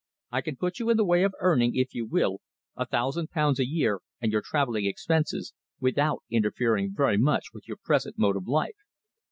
I can put you in the way of earning, if you will, a thousand pounds a year and your travelling expenses, without interfering very much with your present mode of life."